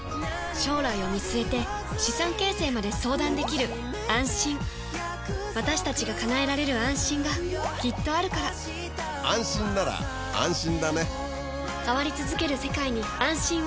将来を見据えて資産形成まで相談できる「あんしん」私たちが叶えられる「あんしん」がきっとあるから変わりつづける世界に、「あんしん」を。